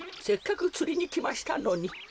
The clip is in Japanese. せっかくつりにきましたのに。